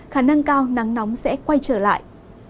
khả năng cao nắng nóng sẽ quay trở lại